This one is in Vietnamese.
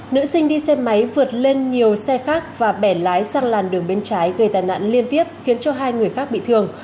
nữ sinh đi xe máy vượt lên nhiều xe khác và bẻ lái sang làn đường bên trái gây tai nạn liên tiếp khiến cho hai người khác bị thương